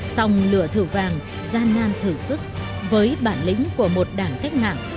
song lửa thử vàng gian nan thử sức với bản lĩnh của một đảng cách mạng